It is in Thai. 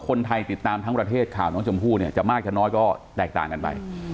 คนไทยติดตามทั้งประเทศข่าวน้องชมพู่เนี่ยจะมากจะน้อยก็แตกต่างกันไป